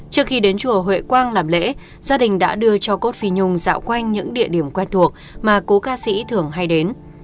trước khi đến chùa huệ quang làm lễ gia đình đã đưa cho cốt phi nhung dạo quanh những địa điểm quen thuộc mà cố ca sĩ thường hay đến